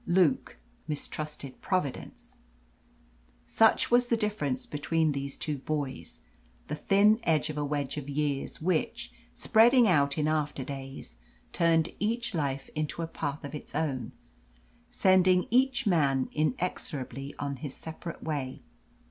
Luke mistrusted Providence. Such was the difference between these two boys the thin end of a wedge of years which, spreading out in after days, turned each life into a path of its own, sending each man inexorably on his separate way.